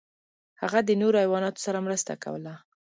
هغه د نورو حیواناتو سره مرسته کوله.